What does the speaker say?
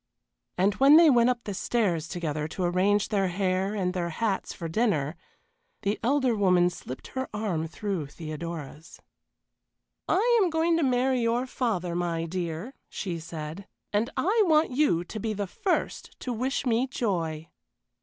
And when they went up the stairs together to arrange their hair and their hats for dinner, the elder woman slipped her arm through Theodora's. "I am going to marry your father, my dear," she said, "and I want you to be the first to wish me joy."